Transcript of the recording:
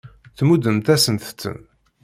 Tmuddemt-asent-ten.